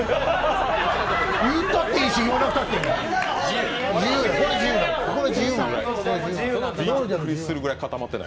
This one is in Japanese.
言ったていいし言わなくたっていい。